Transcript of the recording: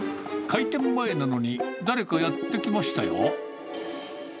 開店前なのに、誰かやって来ましたよ。